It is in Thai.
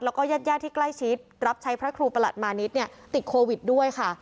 แล้วก็ญาติที่ใกล้ชิดรับใช้พระครูประหลัดมานิดเนี่ยติดโควิดด้วยค่ะ